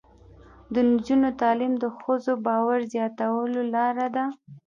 د نجونو تعلیم د ښځو باور زیاتولو لاره ده.